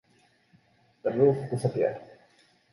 The roof disappeared.